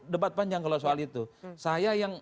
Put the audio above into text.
debat panjang kalau soal itu saya yang